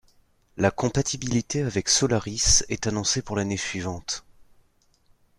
La compatibilité avec Solaris est annoncée pour l'année suivante.